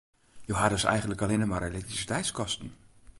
Jo ha dus eigenlik allinne mar elektrisiteitskosten.